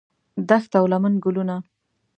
دښت او لمن ګلونه